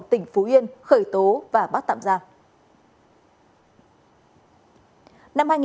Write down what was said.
tỉnh phú yên khởi tố và bắt tạm giam